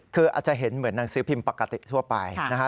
คืออาจจะเห็นเหมือนหนังสือพิมพ์ปกติทั่วไปนะฮะ